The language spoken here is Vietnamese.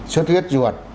sốt huyết ruột